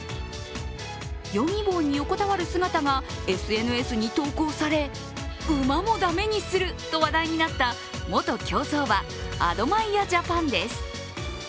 ヨギボーに横たわる姿がＳＮＳに投稿され馬も駄目にすると話題になった元競走馬、アドマイヤジャパンです。